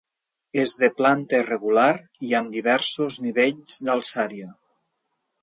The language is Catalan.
És de planta irregular i amb diversos nivells d'alçària.